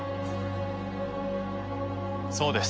そうです。